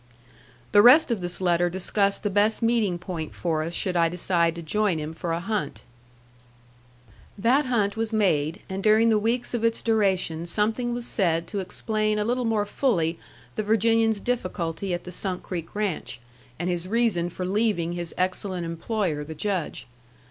The rest of this letter discussed the best meeting point for us should I decide to join him for a hunt. That hunt was made, and during the weeks of its duration something was said to explain a little more fully the Virginian's difficulty at the Sunk Creek Ranch, and his reason for leaving his excellent employer the Judge.